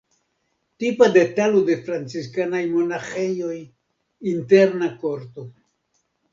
Tipa detalo de franciskanaj monaĥejoj: interna korto.